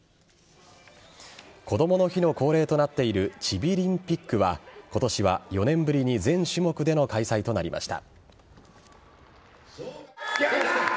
こどもの日の恒例となっているチビリンピックは今年は４年ぶりに全種目での開催となりました。